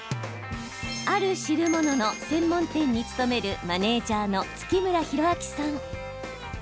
ある汁物の専門店に勤めるマネージャーの月村宏明さん。